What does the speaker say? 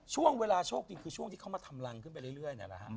ช่วงเวลาโชคดีคือช่วงที่เขามาทำรังขึ้นไปเรื่อยนี่แหละฮะ